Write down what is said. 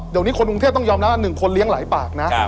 เดี๋ยวนี้คนกรุงเทพต้องยอมรับว่า๑คนเลี้ยงหลายปากนะ